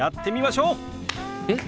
えっ？